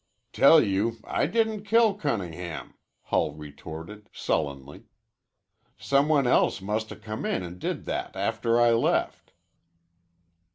"Tell you I didn't kill Cunningham," Hull retorted sullenly. "Some one else must 'a' come in an' did that after I left."